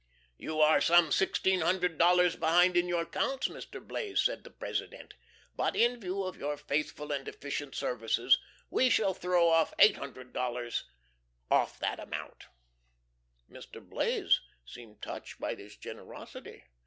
"You are some sixteen hundred dollars behind in your accounts, Mr. Blaze," said the President, "but in view of your faithful and efficient services we shall throw off eight hundred dollars off that amount." Mr. Blaze seemed touched by this generosity.